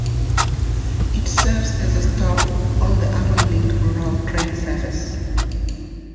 It serves as a stop on the Avonlink rural train service.